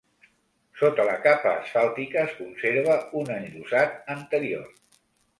Sota la capa asfàltica es conserva un enllosat anterior.